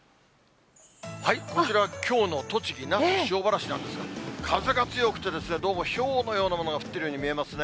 こちらはきょうの栃木・那須塩原市なんですが、風が強くて、どうも、ひょうのようなものが降っているように見えますね。